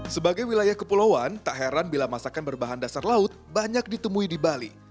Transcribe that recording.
sebagai wilayah kepulauan tak heran bila masakan berbahan dasar laut banyak ditemui di bali